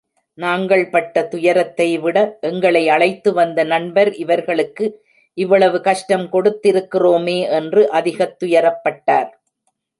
நாங்கள் பட்ட துயரத்தைவிட எங்களை அழைத்துவந்த நண்பர், இவர்களுக்கு இவ்வளவு கஷ்டம் கொடுக்கிறோமே என்று அதிகத் துயரப்பட்டார்.